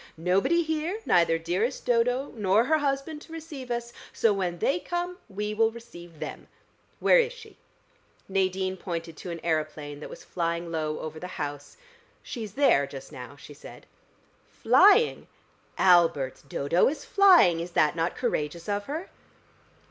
"Nobody here, neither dearest Dodo nor her husband to receive us, so when they come we will receive them. Where is she?" Nadine pointed to an aeroplane that was flying low over the house. "She's there just now," she said. "Flying? Albert, Dodo is flying. Is that not courageous of her?"